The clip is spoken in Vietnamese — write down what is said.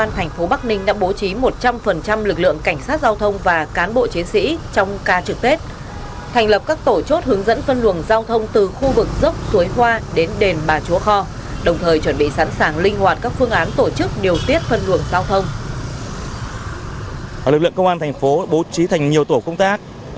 lực lượng công an thành phố bố trí thành nhiều tổ công tác